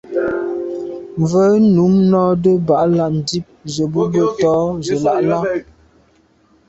Mvə̌ nǔm nɔ́də́ bā lâ' ndíp zə̄ bū bə̂ tɔ̌ zə̄ lá' lá.